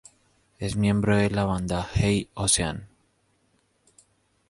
Es miembro de la banda Hey Ocean!.